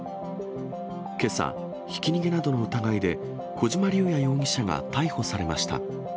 けさ、ひき逃げなどの疑いで小島隆也容疑者が逮捕されました。